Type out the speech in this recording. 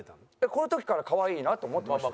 この時から可愛いなと思ってました。